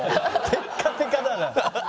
テッカテカだな。